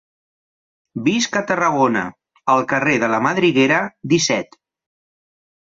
Visc a Tarragona, al carrer de la Madriguera, disset.